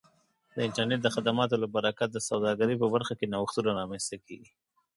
د انټرنیټ د خدماتو له برکت د سوداګرۍ په برخه کې نوښتونه رامنځته کیږي.